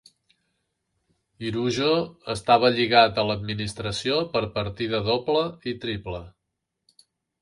Yrujo estava lligat a l'administració per partida doble i triple.